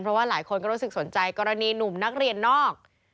เพราะว่าหลายคนก็รู้สึกสนใจกรณีหนุ่มนักเรียนนอก